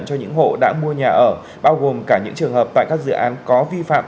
cho những hộ đã mua nhà ở bao gồm cả những trường hợp tại các dự án có vi phạm